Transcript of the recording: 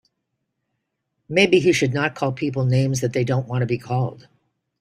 Maybe he should not call people names that they don't want to be called.